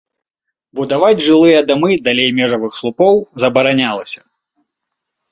Будаваць жылыя дамы далей межавых слупоў забаранялася.